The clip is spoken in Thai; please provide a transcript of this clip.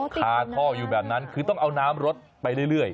คาท่ออยู่แบบนั้นคือต้องเอาน้ำรถไปเรื่อย